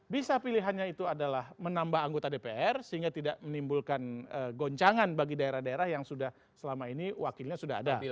bisa pilihannya itu adalah menambah anggota dpr sehingga tidak menimbulkan goncangan bagi daerah daerah yang sudah selama ini wakilnya sudah ada